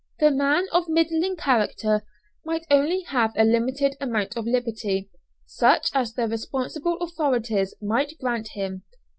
The man of middling character might only have a limited amount of liberty, such as the responsible authorities might grant him.